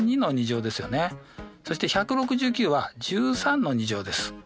そして１６９は１３の２乗です。